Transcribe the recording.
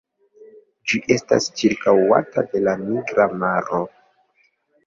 Ĝi estas ĉirkaŭata de la Nigra maro.